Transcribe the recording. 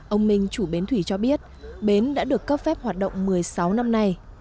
ông minh chủ bến thủy cho biết bến đã được cấp phép hoạt động một mươi sáu năm nay